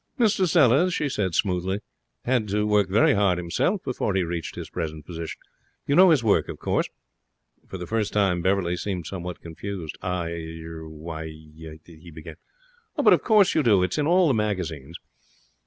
'Mr Sellers,' she said, smoothly, 'had to work very hard himself before he reached his present position. You know his work, of course?' For the first time Beverley seemed somewhat confused. 'I er why ' he began. 'Oh, but of course you do,' she went on, sweetly. 'It's in all the magazines.'